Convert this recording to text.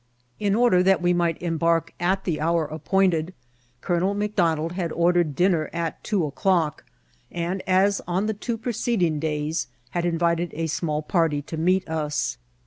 In order that we might embark at the hour appoint ed. Colonel McDonald had ordered dinner at two o'clock, and, as on the two preceding days, had invi ted a small party to meet us.